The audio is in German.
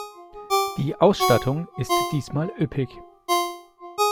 Die Ausstattung ist diesmal üppig.